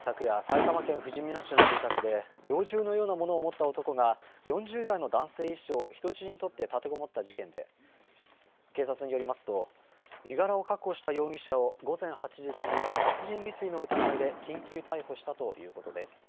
昨夜、埼玉県ふじみ野市の住宅で、猟銃のようなものを持った男が４０代の男性医師を人質に取って立てこもった事件で、警察によりますと、身柄を確保した容疑者を午前８時過ぎ、殺人未遂の疑いで緊急逮捕したということです。